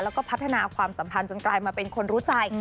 แล้วก็พัฒนาความสัมพันธ์จนกลายมาเป็นคนรู้ใจ